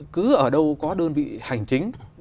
cứ ở đâu có đơn vị hành chính